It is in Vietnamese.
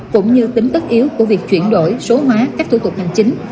cũng như tính tất yếu của việc chuyển đổi số hóa các thủ tục hành chính